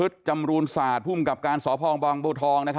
คุณศาสตร์ภูมิกับการสพบบทอง